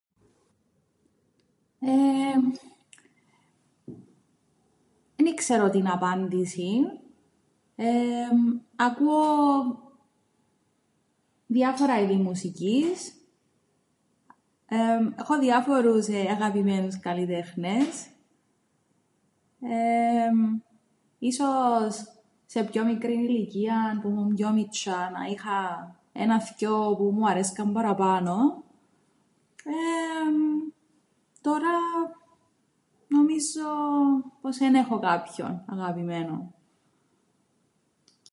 Εεε, εν ι-ξέρω την απάντησην. Ακούω διάφορα είδη μουσικής, έχω διάφορους αγαπημένους καλλιτέχνες. Εεε ίσως σε πιο μικρήν ηλικίαν, που 'μουν πιο μιτσ̆ιά να είχα έναν-θκυο που μου αρέσκαν παραπάνω. Εεε, τωρά νομίζω πως εν έχω κάποιον αγαπημένον.